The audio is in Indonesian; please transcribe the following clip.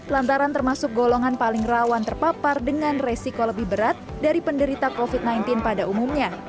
lantaran termasuk golongan paling rawan terpapar dengan resiko lebih berat dari penderita covid sembilan belas pada umumnya